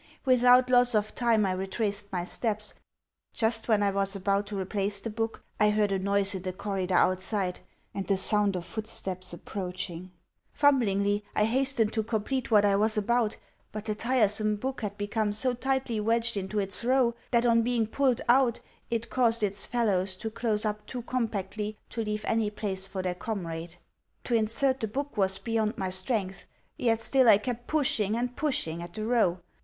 Without loss of time I retraced my steps. Just when I was about to replace the book I heard a noise in the corridor outside, and the sound of footsteps approaching. Fumblingly I hastened to complete what I was about, but the tiresome book had become so tightly wedged into its row that, on being pulled out, it caused its fellows to close up too compactly to leave any place for their comrade. To insert the book was beyond my strength; yet still I kept pushing and pushing at the row.